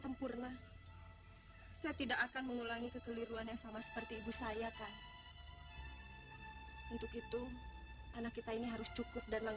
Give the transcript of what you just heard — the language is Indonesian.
kamu telah menjalankan wajiban kamu sebagai seorang imam